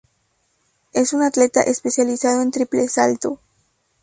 Es un Atleta especializado en triple salto.